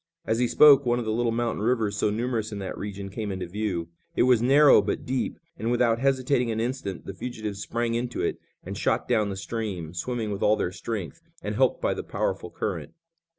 As he spoke one of the little mountain rivers so numerous in that region came into view. It was narrow, but deep, and without hesitating an instant the fugitives sprang into it and shot down the stream, swimming with all their strength, and helped by the powerful current.